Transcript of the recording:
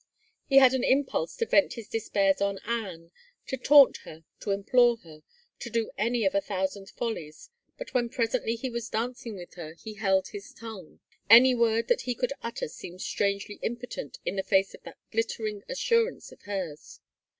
He had an impulse to vent his despairs on Anne, to taunt her, to implore her, to do any of a thousand follies, but when presently he was dancing with her he held his tongue. Any word that he could utter seemed strangely impotent in the face of that glittering assurance of hers.